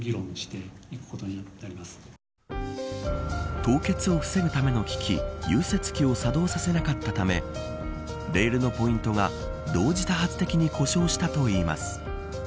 凍結を防ぐための機器融雪器を作動させなかったためレールのポイントが同時多発的に故障したといいます。